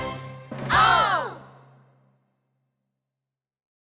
オー！